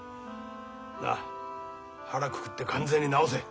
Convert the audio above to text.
なあ腹くくって完全に治せ。